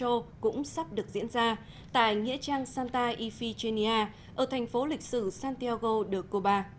lễ ăn táng di hài của chủ tịch cuba fidel castro cũng sắp được diễn ra tại nghĩa trang santa yvigenia ở thành phố lịch sử santiago de cuba